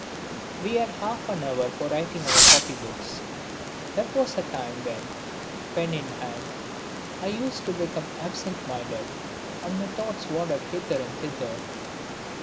We had half an hour for writing our copybooks; that was a time when, pen in hand, I used to become absent minded and my thoughts wandered hither and thither.